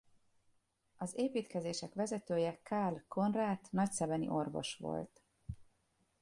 Az építkezések vezetője Carl Conradt nagyszebeni orvos volt.